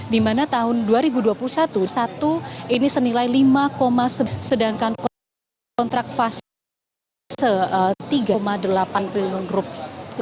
di mana tahun dua ribu dua puluh satu satu ini senilai lima sedangkan kontrak fase tiga delapan triliun rupiah